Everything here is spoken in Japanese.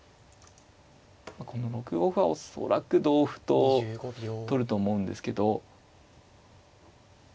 この６五歩は恐らく同歩と取ると思うんですけど。